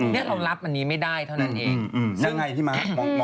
เนี่ยเรารับอันนี้ไม่ได้เท่านั้นเอง